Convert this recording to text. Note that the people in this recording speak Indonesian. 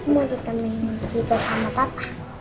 mau ditemui tidur sama papa